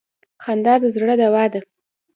خندا د زړه دوا ده.